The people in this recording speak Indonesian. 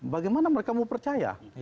bagaimana mereka mau percaya